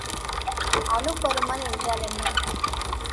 அனுப்பருமன் என்றால் என்ன?